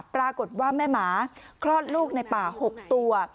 ปรากฏว่าแม่หมาคลอดลูกในป่า๖ตัว